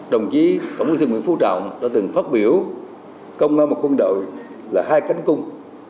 đồng chí tổng bí thư nguyễn phú trọng đã từng phát biểu công an một quân đội là hai cánh cung